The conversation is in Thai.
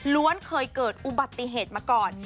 เคยเกิดอุบัติเหตุมาก่อน